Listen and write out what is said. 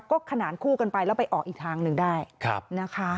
ก็ขนานคู่กันไปแล้วไปออกอีกทางหนึ่งได้นะคะ